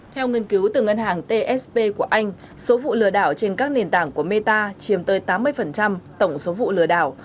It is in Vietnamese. theo nghiên cứu từ ngân hàng tsb của anh số vụ lừa đảo trên các nền tảng của meta chiếm tới tám mươi tổng số vụ lừa đảo